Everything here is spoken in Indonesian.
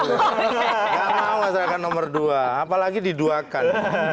nggak mau masyarakat nomor dua apalagi diduakan